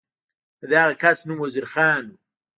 د دغه کس نوم وزیر خان و.